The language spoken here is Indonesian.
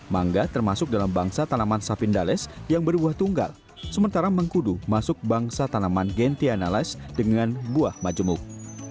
mangga termasuk dalam bangsa tanaman sapindales yang berbuah tunggal sementara mengkudu masuk bangsa tanaman gentianalles dengan buah majemuk